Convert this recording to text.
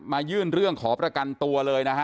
ยื่นเรื่องขอประกันตัวเลยนะฮะ